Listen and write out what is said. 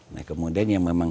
nah kemudian yang memang